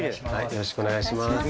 よろしくお願いします。